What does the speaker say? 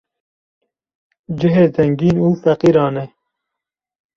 cihê zengîn û feqîran e